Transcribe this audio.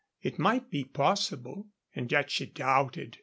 It might be possible. And yet she doubted.